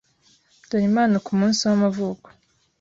Dore impano kumunsi wamavuko.